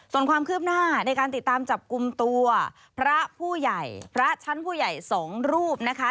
ส่วนความคืบหน้าในการติดตามจับกลุ่มตัวพระผู้ใหญ่พระชั้นผู้ใหญ่สองรูปนะคะ